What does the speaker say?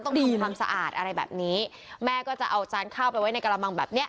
ต้องทำความสะอาดอะไรแบบนี้แม่ก็จะเอาจานข้าวไปไว้ในกระมังแบบเนี้ย